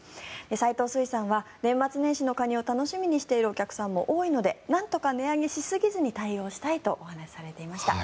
斎藤水産は年末年始のカニを楽しみにしているお客さんも多いのでなんとか値上げしすぎずに対応したいと話していました。